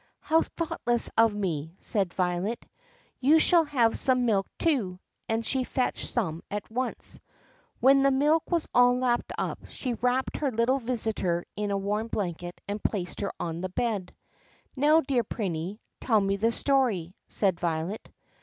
"How thoughtless of me!" said Violet. "You shall have some milk too," and she fetched some at once. When the milk was all lapped up, she wrapped her little visitor in a warm blanket and placed her on the bed. "Now, dear Prinny, tell me the story," said Violet.